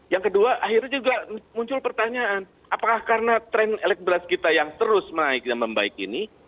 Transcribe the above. yang kedua akhirnya juga muncul pertanyaan apakah karena tren elektlas kita yang terus menaik dan membaik ini